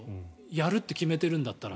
やるって決めてるんだったら。